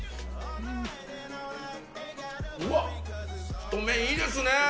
うわっ、太麺、いいですね。